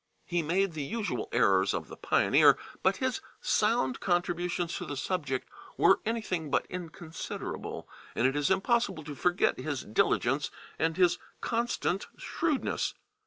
He made the usual errors of the pioneer, but his sound contributions to the subject were anything but inconsiderable, and it is impossible to forget his diligence and his constant shrewdness.